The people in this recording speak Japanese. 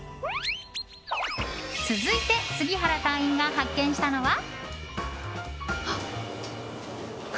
続いて杉原隊員が発見したのは。